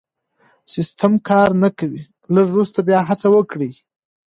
سيسټم کار نه کوي لږ وروسته بیا هڅه وکړئ